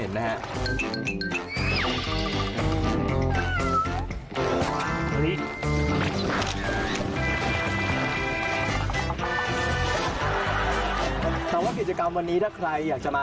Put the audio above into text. แต่ว่ากิจกรรมวันนี้ถ้าใครอยากจะมา